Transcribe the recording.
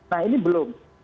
nah ini belum ada perbincangan